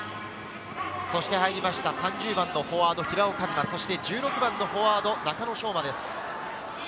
そして入りました３０番のフォワード・平尾和麿、１６番のフォワード中野翔真です。